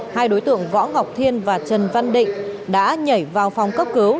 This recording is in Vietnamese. hai đối tượng võ ngọc thiên và trần văn định đã nhảy vào phòng cấp cứu